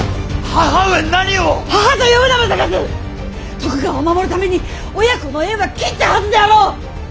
徳川を守るために親子の縁は切ったはずであろう！